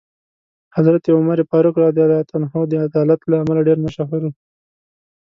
حضرت عمر فاروق رض د عدالت له امله ډېر مشهور دی.